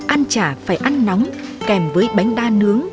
ăn chả phải ăn nóng kèm với bánh đa nướng